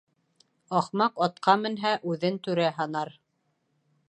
Ахмаҡ атҡа менһә, үҙен түрә һанар.